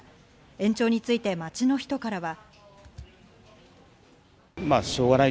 延長について街の人からは。